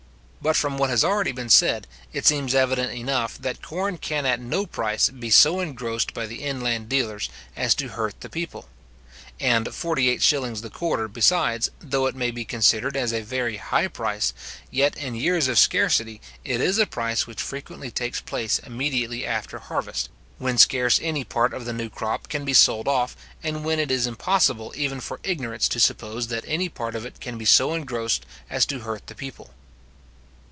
But, from what has been already said, it seems evident enough, that corn can at no price be so engrossed by the inland dealers as to hurt the people; and 48s. the quarter, besides, though it may be considered as a very high price, yet, in years of scarcity, it is a price which frequently takes place immediately after harvest, when scarce any part of the new crop can be sold off, and when it is impossible even for ignorance to suppose that any part of it can be so engrossed as to hurt the people.